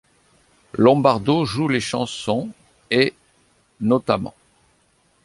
Lombardo joue les chansons ' et ', notamment.